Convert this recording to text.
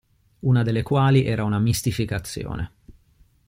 Una delle quali era una mistificazione.